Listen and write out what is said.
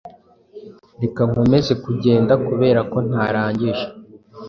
Reka nkomeze kugenda 'kuberako ntarangije